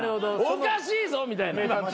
おかしいぞみたいな。